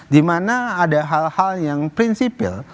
dimana ada hal hal yang prinsipil